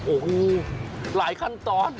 โอ้โหหลายขั้นตอน